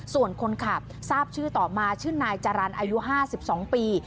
ส่วนคนขับทราบชื่อต่อมาชื่อนายจรรย์อายุ๕๒ปี